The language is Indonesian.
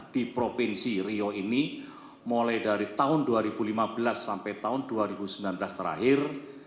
di provinsi riau ini mulai dari tahun dua ribu lima belas sampai tahun dua ribu sembilan belas terakhir